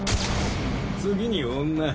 次に女。